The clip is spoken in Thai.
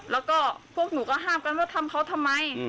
แล้วก็พวกหนูก็ห้ามกันว่าทำเขาทำไม